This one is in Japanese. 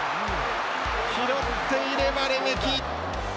拾っていればレメキ。